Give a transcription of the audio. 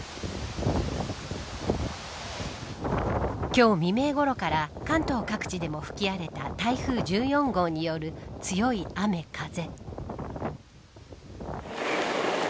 今日未明ごろから関東各地でも吹き荒れた台風１４号による強い雨、風。